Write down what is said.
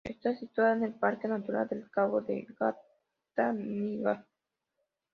Está situada en el Parque Natural del Cabo de Gata-Níjar.